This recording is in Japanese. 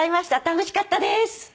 楽しかったです。